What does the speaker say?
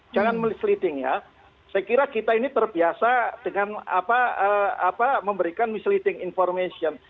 saya kira kita ini terbiasa dengan memberikan misleading information